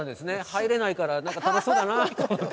入れないからなんか楽しそうだなと思って。